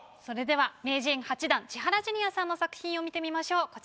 それでは名人８段千原ジュニアさんの作品を見てみましょう。